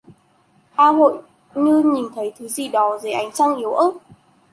A hội như nhìn thấy thứ gì đó dưới ánh trăng yếu ớt